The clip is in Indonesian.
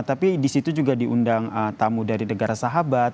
tapi disitu juga diundang tamu dari negara sahabat